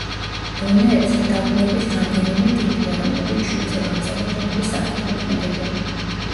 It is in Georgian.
დონეებზე დაბლოკვის რამდენიმე ტიპია, რომლებიც შუქზე განსაკუთრებული სახით მოქმედებენ.